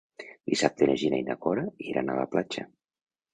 Dissabte na Gina i na Cora iran a la platja.